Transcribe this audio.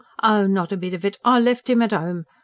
Oh, not a bit of it.... I left him at 'ome.